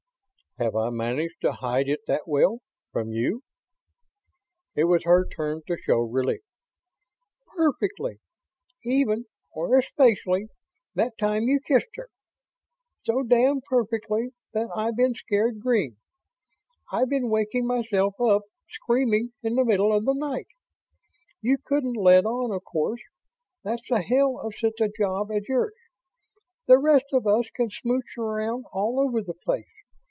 "Have I managed to hide it that well? From you?" It was her turn to show relief. "Perfectly. Even or especially that time you kissed her. So damned perfectly that I've been scared green. I've been waking myself up, screaming, in the middle of the night. You couldn't let on, of course. That's the hell of such a job as yours. The rest of us can smooch around all over the place.